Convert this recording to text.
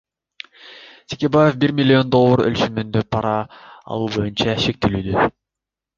Текебаев бир миллион доллар өлчөмүндө пара алуу боюнча шектелүүдө.